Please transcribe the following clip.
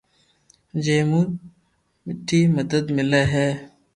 جي مون مني مدد ملي ھي